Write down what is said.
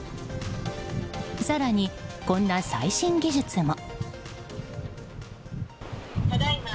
更にこんな最新技術も。